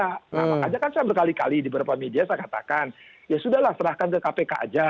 nah makanya kan saya berkali kali di beberapa media saya katakan ya sudah lah serahkan ke kpk aja